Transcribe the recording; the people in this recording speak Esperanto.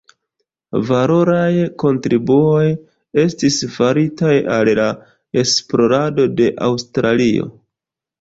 Valoraj kontribuoj estis faritaj al la esplorado de Aŭstralio.